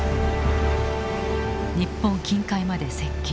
日本近海まで接近。